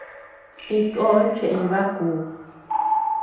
Iñkon cheʼeñ bakuu.